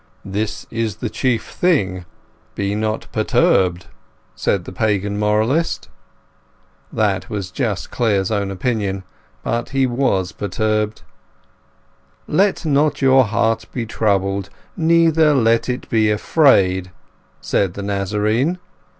"This is the chief thing: be not perturbed," said the Pagan moralist. That was just Clare's own opinion. But he was perturbed. "Let not your heart be troubled, neither let it be afraid," said the Nazarene.